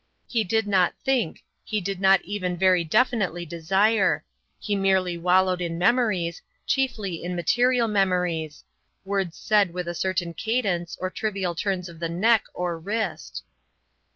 He did not think; he did not even very definitely desire. He merely wallowed in memories, chiefly in material memories; words said with a certain cadence or trivial turns of the neck or wrist.